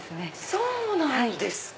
そうなんですか。